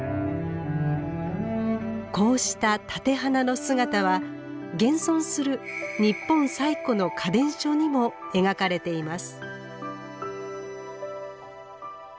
こうした立て花の姿は現存する日本最古の花伝書にも描かれています。